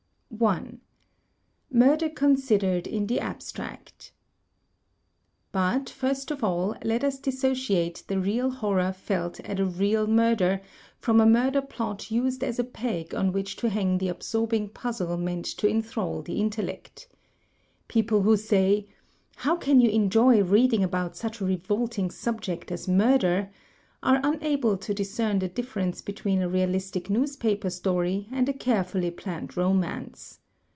I. Murder Considered in the Abstract But, first of all, let us dissociate the real horror felt at a real murder, from a murder plot used as a peg on which to hang the absorbing puzzle meant to enthrall the intellect. People who say, "How can you enjoy reading about such a. revolting sub ject as murder?" are imable to discern the difference between a realistic newspaper story and a carefully planned romance.